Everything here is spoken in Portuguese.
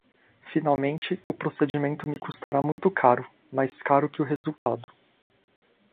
Finalmente, o procedimento me custará muito caro, mais caro que o resultado.